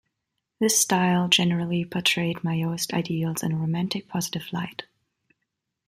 This style generally portrayed Maoist ideals in a romantic positive light.